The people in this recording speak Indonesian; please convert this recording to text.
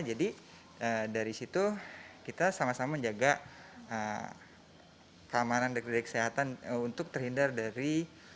jadi dari situ kita sama sama menjaga keamanan dan kesehatan untuk terhindar dari